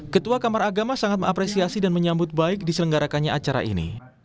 ketua kamar agama sangat mengapresiasi dan menyambut baik diselenggarakannya acara ini